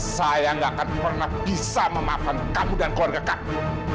saya gak akan pernah bisa memaafkan kamu dan keluarga kami